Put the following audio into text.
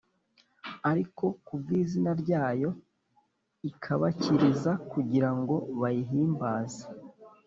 Ariko ku bw izina ryayo Ibakiriza kugira ngo bayihimbaze